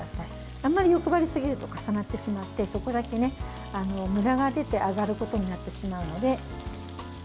あんまり欲張りすぎると重なってしまってそこだけむらが出て揚ることになってしまうので。